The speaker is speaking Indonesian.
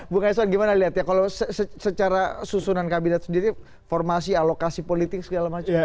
bu ngeson gimana liat ya kalau secara susunan kabinet sendiri formasi alokasi politik segala macem